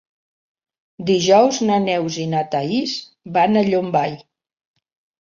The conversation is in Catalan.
Dijous na Neus i na Thaís van a Llombai.